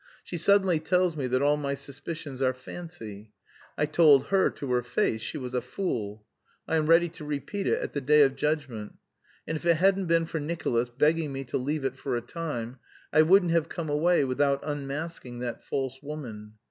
She suddenly tells me that all my suspicions are fancy. I told her to her face she was a fool. I am ready to repeat it at the day of judgment. And if it hadn't been for Nicolas begging me to leave it for a time, I wouldn't have come away without unmasking that false woman.